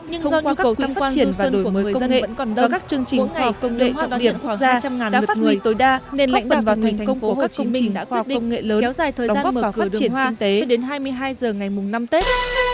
nhưng do nhu cầu tăng quan du sơn của người dân vẫn còn đông bốn ngày đường hoa nguyễn huệ đã phát hiện tối đa nên lãnh đạo và thành công của hồ chí minh đã quyết định kéo dài thời gian mở cửa đường hoa cho đến hai mươi hai h ngày mùng năm tết